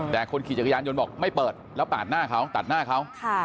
แต่คนขี่จักรยานยนต์บอกไม่เปิดแล้วตัดหน้าเขา